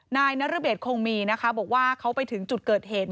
นายนรเดชคงมีนะคะบอกว่าเขาไปถึงจุดเกิดเหตุ